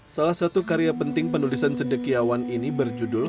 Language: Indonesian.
salah satu karya penting penulisan cedekiawan ini berjudul